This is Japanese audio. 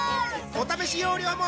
お試し容量も